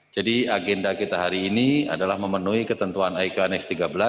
jadi agenda kita hari ini adalah memenuhi ketentuan iq annex tiga belas